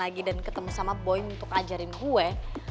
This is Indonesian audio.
lagi dan ketemu sama boy untuk ajarin gue